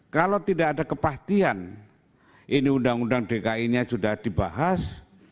kalau tidak ada kepastian ini undang undang dki nya sudah dibahas